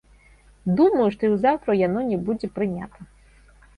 Думаю, што і заўтра яно не будзе прынята.